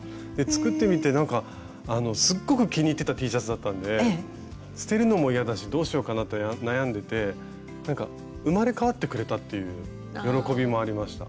作ってみてなんかすっごく気に入ってたＴシャツだったんで捨てるのも嫌だしどうしようかなって悩んでてなんか生まれ変わってくれたっていう喜びもありました。